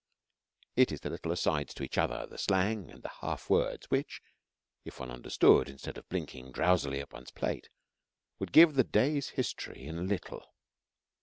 It is their little asides to each other, the slang, and the half words which, if one understood, instead of blinking drowsily at one's plate, would give the day's history in little.